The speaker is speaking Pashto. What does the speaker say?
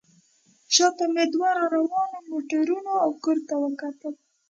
شا ته مې دوو راروانو موټرو او کور ته وکتل.